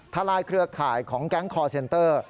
ลายเครือข่ายของแก๊งคอร์เซนเตอร์